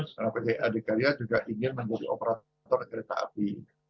karena pt adhikarya juga ingin menjadi operator kereta api